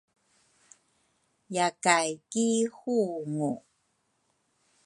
Yakay ki hungu